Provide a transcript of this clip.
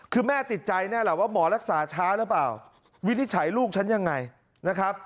คือแม่ติดใจแน่แหละว่าหมอรักษาช้าหรือเปล่าวินิจฉัยลูกฉันยังไงนะครับ